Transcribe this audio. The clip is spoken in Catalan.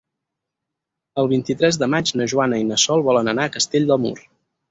El vint-i-tres de maig na Joana i na Sol volen anar a Castell de Mur.